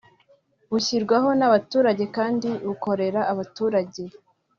bushyirwaho n’abaturage kandi bukorera abaturage”